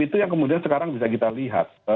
itu yang kemudian sekarang bisa kita lihat